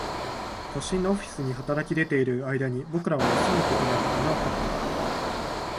都心のオフィスに働き出ている間に、僕らは休むことなく穴を掘った